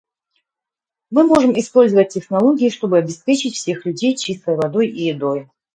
Мы можем использовать технологии, чтобы обеспечить всех людей чистой водой и едой.